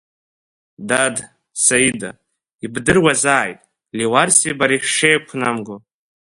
Дад, Саида, ибдыруазаит, Леуарсеи бареи шәшеиқәнамго!